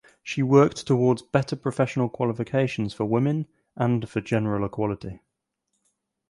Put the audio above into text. She worked towards better professional qualifications for women and for general equality.